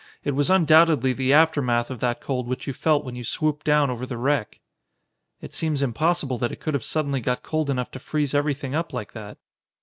It was undoubtedly the aftermath of that cold which you felt when you swooped down over the wreck." "It seems impossible that it could have suddenly got cold enough to freeze everything up like that."